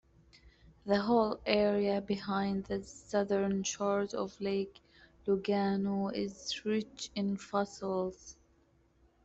The whole area behind the southern shores of Lake Lugano is rich in fossils.